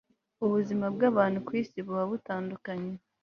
ubuzima bwabantu kwisi buba butandukanye